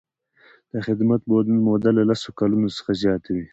د خدمت موده له لس کلونو څخه زیاته وي.